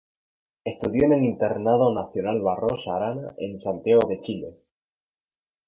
Estudió en el Internado Nacional Barros Arana en Santiago de Chile.